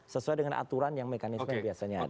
sesuai dengan aturan yang mekanisme yang biasanya ada